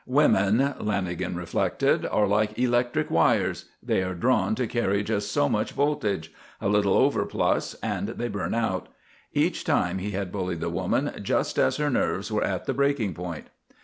Women, Lanagan reflected, are like electric wires. They are drawn to carry just so much voltage. A little overplus and they burn out. Each time he had bullied the woman just as her nerves were at the breaking point.